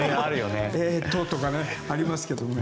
えーととかありますけどね。